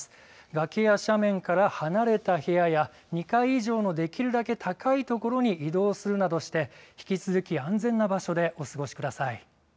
崖や斜面から離れた部屋や２階以上のできるだけ高い所に移動するなどして、引き続き安全な場所でお過ごしください。